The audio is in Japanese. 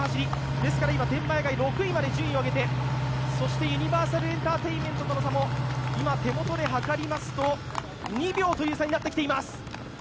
ですから今、天満屋が６位まで順位を上げてそしてユニバーサルエンターテインメントとの差も今手元で測りますと、２秒という差になってきています。